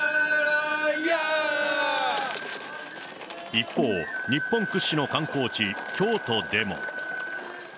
一方、日本屈指の観光地、京都でも。